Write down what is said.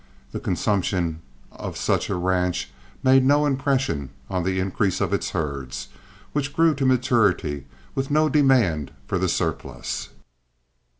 The consumption of such a ranch made no impression on the increase of its herds, which grew to maturity with no demand for the surplus.